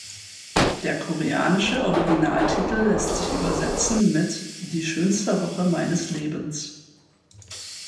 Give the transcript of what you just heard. Der koreanische Originaltitel lässt sich übersetzen mit "Die schönste Woche meines Lebens".